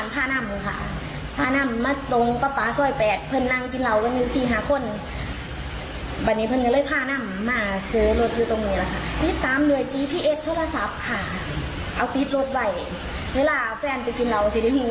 ตำรวจอยู่ตรงไหนค่ะ